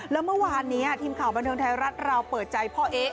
แล้วเมื่อวานนี้ทีมข่าวบันเทิงไทยรัฐเราเปิดใจพ่อเอ๊ะ